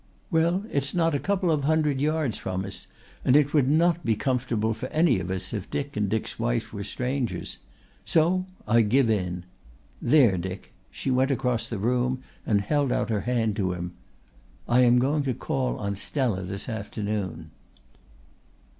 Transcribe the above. "Well, it's not a couple of a hundred yards from us, and it would not be comfortable for any of us if Dick and Dick's wife were strangers. So I give in. There, Dick!" She went across the room and held out her hand to him. "I am going to call on Stella this afternoon."